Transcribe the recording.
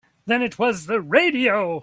Then it was the radio.